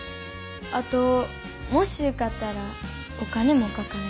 あともし受かったらお金もかかんねん。